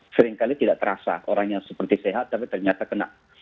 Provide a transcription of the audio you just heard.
seringkali tidak terasa orang yang seperti sehat tapi ternyata kena